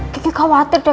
kikik khawatir deh